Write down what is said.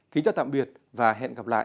kính chào tạm biệt và hẹn gặp lại